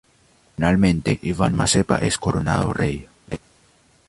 Finalmente, Ivan Mazepa es coronado rey.